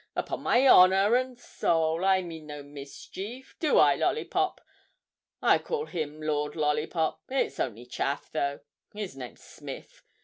Upon my honour and soul, I mean no mischief; do I, Lollipop? I call him Lord Lollipop; it's only chaff, though; his name's Smith.